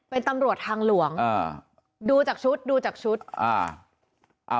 เป็นตำรวจทางหลวงอ่าดูจากชุดดูจากชุดอ่าอ่า